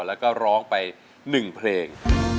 แล้วก็ร้องไปหนึ่งเพลง